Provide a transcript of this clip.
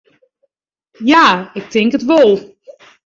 Ja, ik tink it wol.